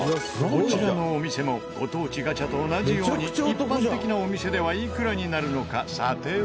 こちらのお店もご当地ガチャと同じように一般的なお店ではいくらになるのか査定を依頼。